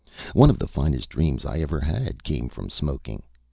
One of the finest dreams I ever had came from smoking.